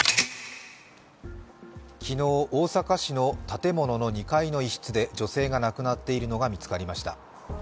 昨日、大阪市の建物の２階の一室で女性が亡くなっているのが見つかりました。